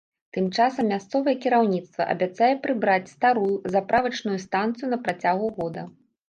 Тым часам мясцовае кіраўніцтва абяцае прыбраць старую заправачную станцыю на працягу года.